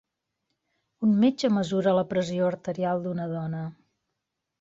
Un metge mesura la pressió arterial d'una dona.